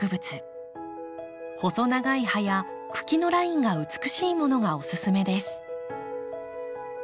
細長い葉や茎のラインが美しいものがおすすめです。